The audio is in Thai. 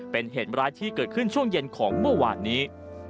เป็นเหตุร้ายที่เกิดขึ้นช่วงเย็นของเมื่อวานนี้